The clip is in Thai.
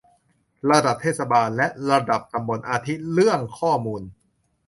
ระดับเทศบาล และ ระดับตำบล อาทิ เรื่องข้อมูล